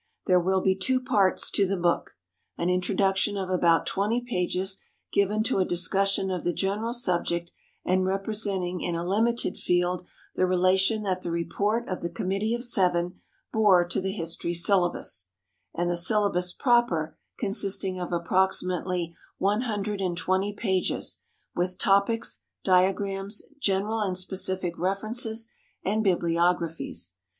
There will be two parts to the book: An introduction of about twenty pages given to a discussion of the general subject and representing in a limited field the relation that the report of the Committee of Seven bore to the History Syllabus; and the syllabus proper consisting of approximately one hundred and twenty pages, with topics, diagrams, general and specific references and bibliographies.